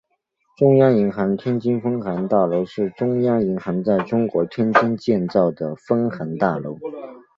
中央银行天津分行大楼是中央银行在中国天津建造的分行大楼。